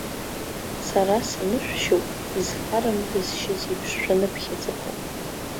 Сара санышәшьоуп изхарам дызшьыз иеиԥш шәаныԥхьаӡахо.